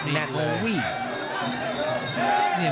หนักเลย